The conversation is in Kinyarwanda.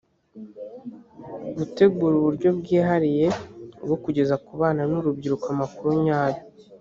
gutegura uburyo bwihariye bwo kugeza ku bana n urubyiruko amakuru nyayo